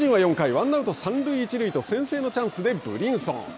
ワンアウト、三塁一塁と先制のチャンスでブリンソン。